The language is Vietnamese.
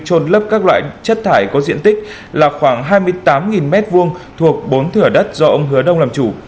trôn lấp các loại chất thải có diện tích là khoảng hai mươi tám m hai thuộc bốn thửa đất do ông hứa đông làm chủ